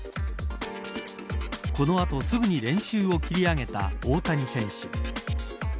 この後すぐに練習を切り上げた大谷選手。